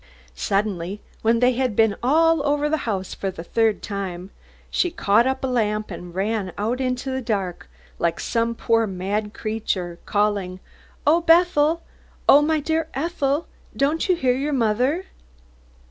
Suddenly, when they had been all over the house for the third time, she caught up a lamp, and ran out in the dark, like some poor mad creature, calling, "Oh, Bethel! Oh, my little Ethel! Don't you hear your mother?"